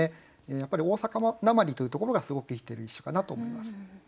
やっぱり「大阪訛り」というところがすごく生きてる一首かなと思います。